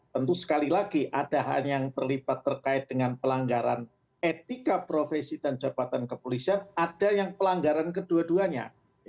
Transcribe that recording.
tentu sekali lagi ada hal yang terlibat terkait dengan pelanggaran etika profesi dan jabatan kepolisian ada yang pelanggaran kedua duanya